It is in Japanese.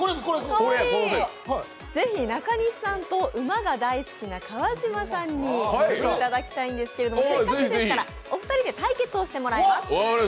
ぜひ中西さんと、馬が大好きな川島さんに乗っていただきたいんですけどせっかくですからお二人で対決をしてもらいます。